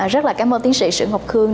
rất là cảm ơn tiến sĩ sử ngọc khương